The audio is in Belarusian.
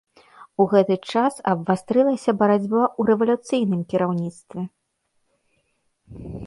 У гэты час абвастрылася барацьба ў рэвалюцыйным кіраўніцтве.